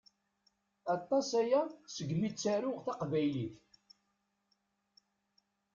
Aṭas aya segmi ttaruɣ taqbaylit.